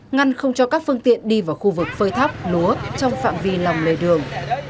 ngăn không cho các phương tiện đi vào khu vực phơi thóc lúa trong phạm vi lòng lề đường